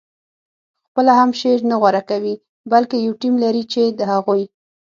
خپله هم شعر نه غوره کوي بلکې یو ټیم لري چې د هغوی